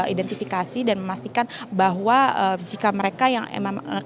identifikasi dan memastikan bahwa jika mereka yang memang